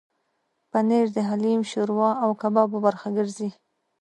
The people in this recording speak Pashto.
پنېر د حلیم، شوروا او کبابو برخه ګرځي.